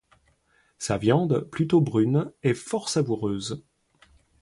Sa viande, plutôt brune, est fort savoureuse.